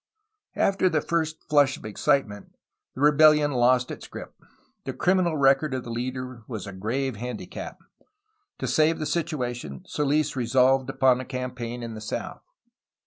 After the first flush of excitement, the rebelUon lost its grip. The criminal record of the leader was a grave handi cap. To save the situation Soils resolved upon a campaign in the south.